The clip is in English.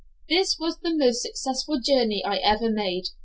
This was the most successful journey I ever made.